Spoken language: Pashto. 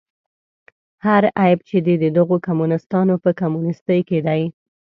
هر عیب چې دی د دغو کمونیستانو په کمونیستي کې دی.